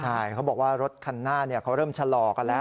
ใช่เขาบอกว่ารถคันหน้าเขาเริ่มชะลอกันแล้ว